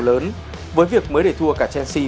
lớn với việc mới để thua cả chelsea